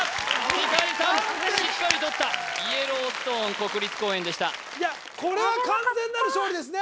世界遺産しっかりとったイエローストーン国立公園でしたいやこれは完全なる勝利ですね